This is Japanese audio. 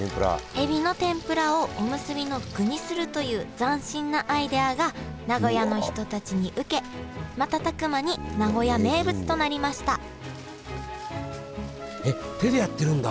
エビの天ぷらをおむすびの具にするという斬新なアイデアが名古屋の人たちに受けまたたく間に名古屋名物となりましたえっ手でやってるんだ！